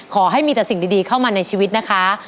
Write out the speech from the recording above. ขอให้มีแต่สิ่งดีเข้ามาในชีวิตนะคะ